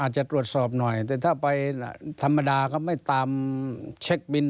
จะตรวจสอบหน่อยแต่ถ้าไปธรรมดาก็ไม่ตามเช็คบิน